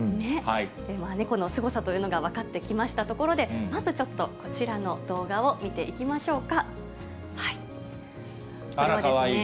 では猫のすごさというのが分かってきましたところで、まずちょっと、こちらの動画を見ていきましょうか。